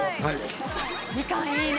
みかんいいね。